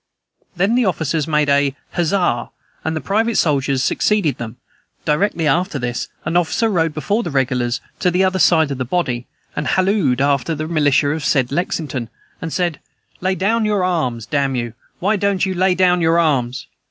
Then the officers made a huzza, and the private soldiers succeeded them: directly after this, an officer rode before the regulars to the other side of the body, and hallooed after the militia of said Lexington, and said, "Lay down your arms, damn you, why don't you lay down your arms?"